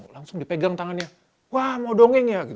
langsung dipegang tangannya wah mau dongeng ya